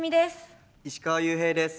石川裕平です。